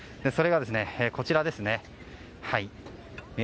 それが、こちらですね。